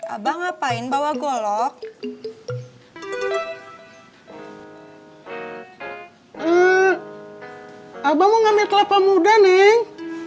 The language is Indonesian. abang mau ambil kelapa muda neng